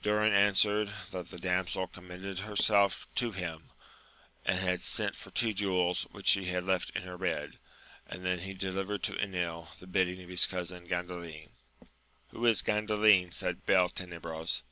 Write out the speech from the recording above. Durin onaweTeif that the damsel commended herself AMADIS OF GAUL 21 to him, and had sent for two jewels which she had left in her bed ; and then he delivered to Enil the bidding of his cousin Gandalin. Who is Gandalin ? said Beltenebros.